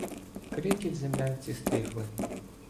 Крики в землянці стихли.